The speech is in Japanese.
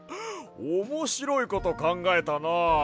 おもしろいことかんがえたな。